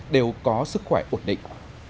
đều có sức khỏe ổn định